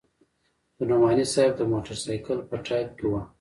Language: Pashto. د نعماني صاحب د موټرسایکل په ټایپ کې وه.